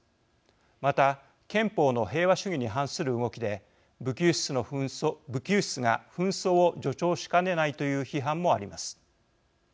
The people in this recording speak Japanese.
また、憲法の平和主義に反する動きで武器輸出が紛争を助長しかねないという批判もあります。